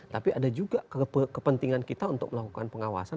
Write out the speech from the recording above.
tapi ada juga kepentingan kita untuk melakukan pengawasan